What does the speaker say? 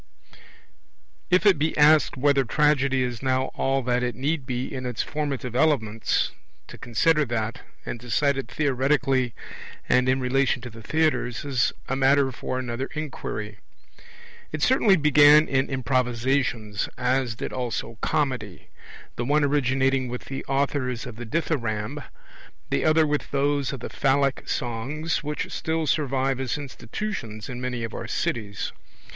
If it be asked whether Tragedy is now all that it need be in its formative elements, to consider that, and decide it theoretically and in relation to the theatres, is a matter for another inquiry. It certainly began in improvisations as did also Comedy; the one originating with the authors of the Dithyramb, the other with those of the phallic songs, which still survive as institutions in many of our cities.